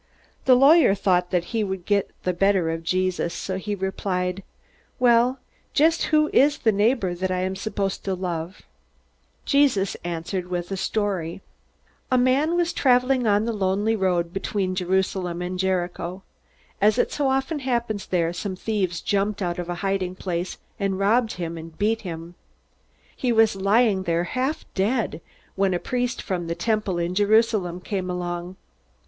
The lawyer thought that he would get the better of Jesus, so he replied, "Well, just who is the neighbor that I am supposed to love?" Jesus answered with a story: "A man was traveling on the lonely road between Jerusalem and Jericho. As so often happens there, some thieves jumped out of a hiding place, and robbed him and beat him. He was lying there half dead, when a priest from the Temple in Jerusalem came along.